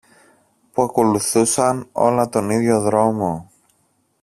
που ακολουθούσαν όλα τον ίδιο δρόμο